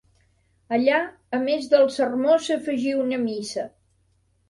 Allà, a més del sermó s'afegí una missa.